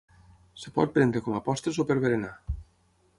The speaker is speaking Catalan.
Es pot prendre com a postres o per berenar.